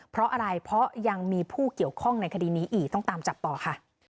เพราะอะไรเพราะยังมีผู้เกี่ยวข้องในคดีนี้อีกต้องตามจับต่อค่ะ